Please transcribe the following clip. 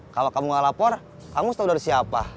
kalau kamu gak lapor kamu harus tahu dari siapa